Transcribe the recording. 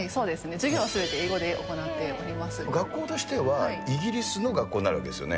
授業はすべて英学校としては、イギリスの学校になるわけですよね。